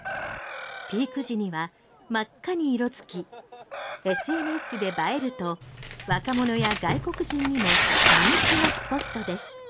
ピーク時には真っ赤に色付きＳＮＳで映えると若者や外国人にも人気のスポットです。